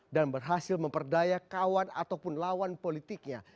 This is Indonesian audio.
dan berhasil memperdaya kawan ataupun lawan politiknya